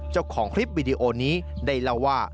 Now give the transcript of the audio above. เจ้าของคลิปวิดีโอนี้ได้เล่าว่า